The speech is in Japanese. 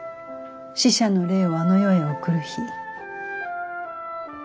死者の霊をあの世へ送る日。